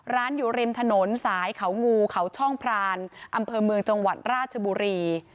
อยู่ริมถนนสายเขางูเขาช่องพรานอำเภอเมืองจังหวัดราชบุรี